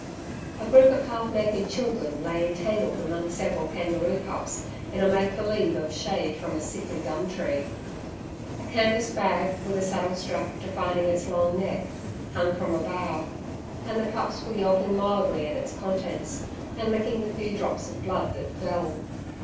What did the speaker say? A group of half naked children lay entangled among several kangaroo pups, in a make believe of shade from a sickly gum tree. A canvas bag, with a saddle strap defining its long neck, hung from a bough, and the pups were yelping mildly at its contents, and licking the few drops of blood that fell.